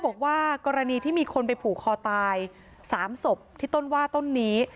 บอกว่ากรณีที่มีคนไปผูกคอตาย๓ศพที่ต้นว่าต้นนี้